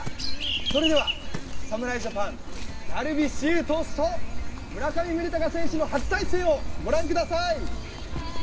それでは侍ジャパン、ダルビッシュ有投手と村上宗隆選手の初対戦をご覧ください！